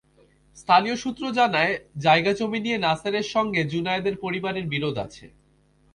স্থানীয় সূত্র জানায়, জায়গাজমি নিয়ে নাছেরের সঙ্গে জুনায়েদের পরিবারের বিরোধ আছে।